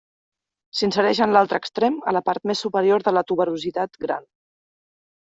S'insereix en l'altre extrem a la part més superior de la tuberositat gran.